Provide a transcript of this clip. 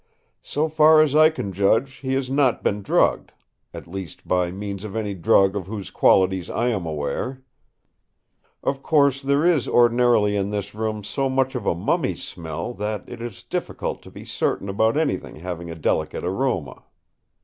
So far as I can judge, he has not been drugged—at least by means of any drug of whose qualities I am aware. Of course, there is ordinarily in this room so much of a mummy smell that it is difficult to be certain about anything having a delicate aroma.